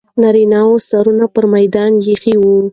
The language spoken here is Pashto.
نارینه و سرونه پر میدان ایښي وو.